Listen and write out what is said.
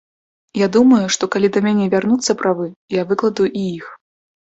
Я думаю, што калі да мяне вярнуцца правы, я выкладу і іх.